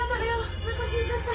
おなかすいちゃった。